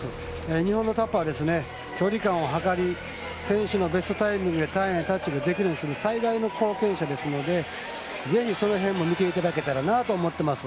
日本のタッパーは距離感をはかり選手のベストタイムでタッチができるようにする最大の貢献者ですのでぜひその点も見ていただければと思います。